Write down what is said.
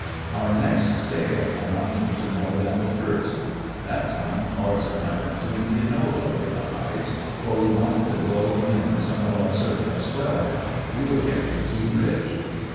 Our next sale amounted to more than the first. That time Horace and I went to Indianola with the hides for we wanted to blow in some of our surplus wealth; we were getting too rich.